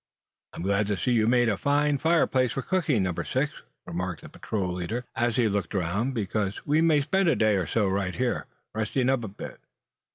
"I'm glad to see that you made a fine fireplace for cooking, Number Six," remarked the patrol leader, as he looked around; "because we may spend a day or so right here, resting up a bit.